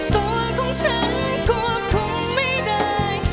ตัวของฉันควบคุมไม่ได้